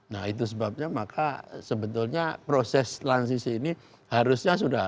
nah itu sebabnya maka sebetulnya proses transisi ini harusnya sudah